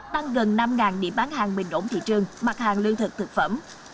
tăng gần năm điểm bán hàng bình ổn thị trường mặt hàng lương thực thực phẩm